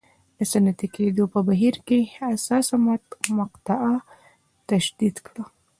د صنعتي کېدو په بهیر کې حساسه مقطعه تشدید کړه.